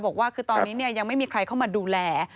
บอกว่าตอนนี้เนี่ยยังไม่มีใครเข้ามาดูแล